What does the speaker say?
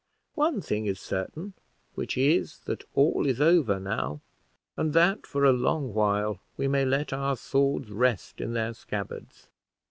One thing is certain, which is, that all is over now, and that for a long while we may let our swords rest in their scabbards.